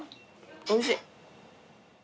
おいしい。